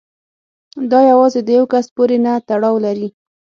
دا یوازې د یو کس پورې نه تړاو لري.